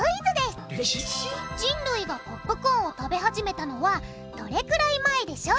人類がポップコーンを食べ始めたのはどれくらい前でしょう？